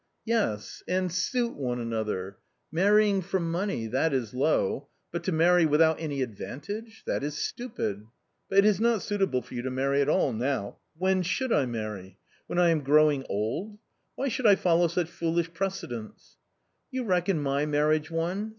^ "Yes, and suit one another. Marrying f or money — that i s low j but to marry witho ut any advantage — tfiafTs' stupid T .\. but it is not suiTaBTeTor^ybii to* iri fiVTSt"£tt no w.' '~ "When should I marry? When I am growing old? Why should I follow such foolish precedents ?"" You reckon my marriage one